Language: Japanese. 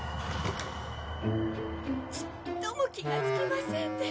ちっとも気がつきませんで。